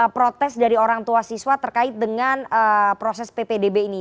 protes dari orang tua siswa terkait dengan proses ppdb ini